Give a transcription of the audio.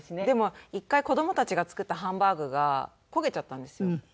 でも１回子どもたちが作ったハンバーグが焦げちゃったんですよ。